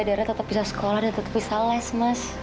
daerah tetap bisa sekolah dan tetap bisa les mas